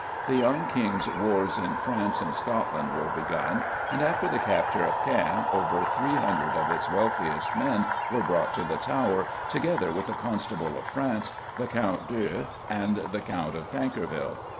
The young King's wars in France and Scotland were begun, and after the capture of Caen, over three hundred of its wealthiest men were brought to the Tower, together with the Constable of France, the Count d'Eu, and the Count of Tankerville.